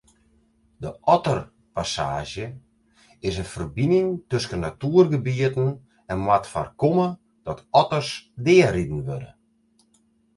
De otterpassaazje is in ferbining tusken natuergebieten en moat foarkomme dat otters deariden wurde.